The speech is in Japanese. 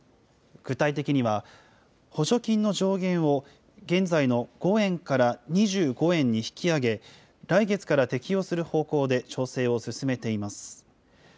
具体的には補助金の上限を現在の５円から２５円に引き上げ、来月から適用する方向で調整を進めています。